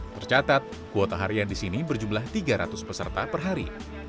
tercatat kuota harian di sini berjumlah tiga ratus peserta per hari